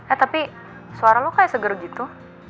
eh tapi suara lo kayak seger gitu